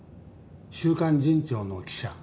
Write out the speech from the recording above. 『週刊進帳』の記者。